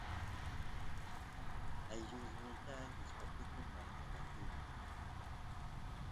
allusniy gustapukun marqanakuyta